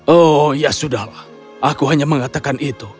oh ya sudahlah aku hanya mengatakan itu